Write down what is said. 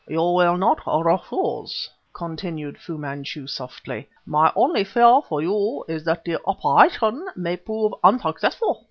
"You will not refuse" continued Fu Manchu softly; "my only fear for you is that the operation my prove unsuccessful!